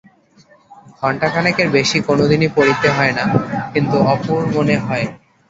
ঘণ্টা-খানেকের বেশি কোনোদিনই পড়িতে হয় না, কিন্তু অপুর মনে হয়।